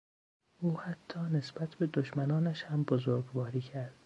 او حتی نسبت به دشمنانش هم بزرگواری کرد.